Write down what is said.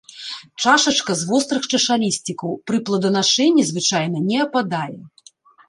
Чашачка з вострых чашалісцікаў, пры плоданашэнні звычайна не ападае.